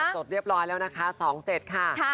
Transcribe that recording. จดเรียบร้อยแล้วนะคะ๒๗ค่ะ